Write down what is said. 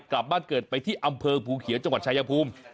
กลับบ้านเกิดไปที่อำเภอภูเขียวจังหวัดชายภูมิ